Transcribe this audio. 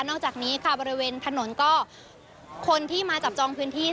จากนี้ค่ะบริเวณถนนก็คนที่มาจับจองพื้นที่